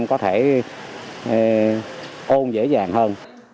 để các em có thể ôn dễ dàng hơn